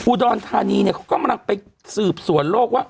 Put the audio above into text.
อุดอนธานีเขาก็กำลังไปสืบสวนโลกว่า